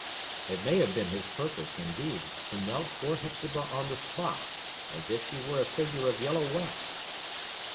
It may have been his purpose, indeed, to melt poor Hepzibah on the spot, as if she were a figure of yellow wax.